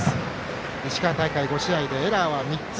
石川大会５試合でエラーは３つ。